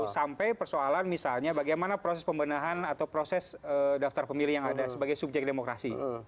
sampai persoalan misalnya bagaimana proses pembenahan atau proses daftar pemilih yang ada sebagai subjek demokrasi